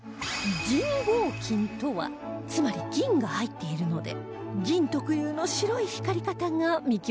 銀合金とはつまり銀が入っているので銀特有の白い光り方が見極めポイントですよ